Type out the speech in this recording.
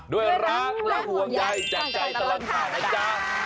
ด้วยรักและห่วงใยจากใจตลอดข่าวนะจ๊ะ